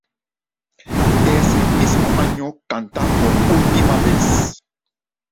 Ese mismo año canta por última vez.